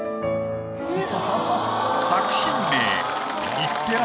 作品名。